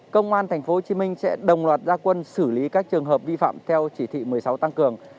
công an tp hcm sẽ đồng loạt gia quân xử lý các trường hợp vi phạm theo chỉ thị một mươi sáu tăng cường